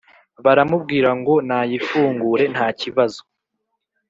baramubwira ngo nayifungure ntakibazo.